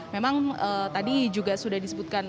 memang tadi juga sudah disebutkan